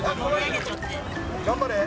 頑張れ。